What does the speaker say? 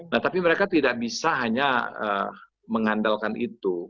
nah tapi mereka tidak bisa hanya mengandalkan itu